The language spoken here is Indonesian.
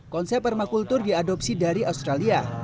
konsep permakultur diadopsi dari australia